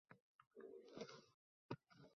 Xilvat joy topdim deguncha ko‘zimga yosh kelardi.